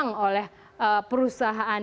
dan kemudian mendapatkan uang oleh perusahaan